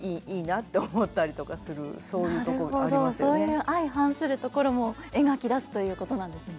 そういう相反するところも描き出すということなんですね。